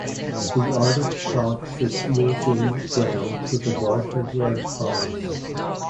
The Arctic fox is losing ground to the larger red fox.